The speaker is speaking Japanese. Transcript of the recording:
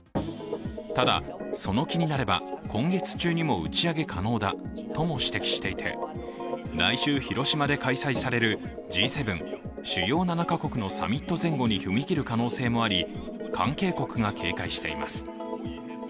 ただ、その気になれば今月中にも打ち上げ可能だとも指摘していて来週、広島で開催されるＧ７＝主要７か国のサミット前後に踏み切る可能性もあり、関係国が警戒しています。